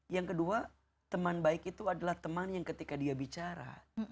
yang kedua teman baik itu adalah teman yang ketika dia bicara